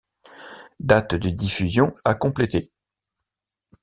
Date de diffusion à compléter.